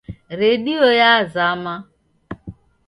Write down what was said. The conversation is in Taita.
Redio yazama.